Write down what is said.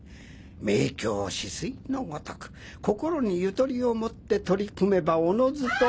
明鏡止水のごとく心にゆとりを持って取り組めばおのずと。